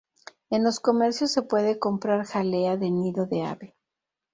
En los comercios se puede comprar jalea de nido de ave.